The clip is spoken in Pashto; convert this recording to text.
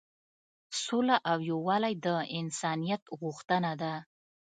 سوله او یووالی د انسانیت غوښتنه ده.